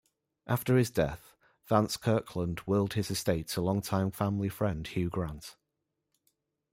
After his death, Vance Kirkland willed his estate to longtime family friend Hugh Grant.